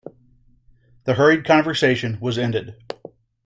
The hurried conversation was ended.